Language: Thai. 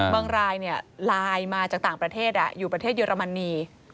รายไลน์มาจากต่างประเทศอยู่ประเทศเยอรมนี